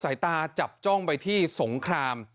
สายตาจับจ้องไปที่สงคราม